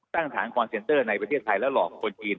ตั้งฐานคอนเซนเตอร์ในประเทศไทยแล้วหลอกคนจีน